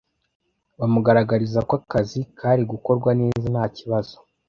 bamugaragariza ko akazi kari gukorwa neza nta kibazo